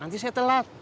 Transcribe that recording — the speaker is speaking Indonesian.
tadi saya telat